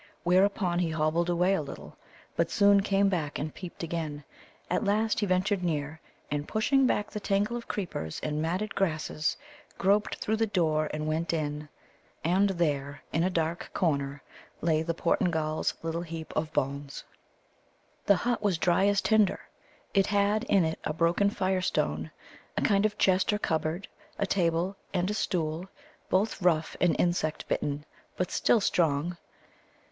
Whereupon he hobbled away a little, but soon came back and peeped again. At last he ventured near, and, pushing back the tangle of creepers and matted grasses, groped through the door and went in. And there, in a dark corner, lay the Portingal's little heap of bones. The hut was dry as tinder. It had in it a broken fire stone, a kind of chest or cupboard, a table, and a stool, both rough and insect bitten, but still strong.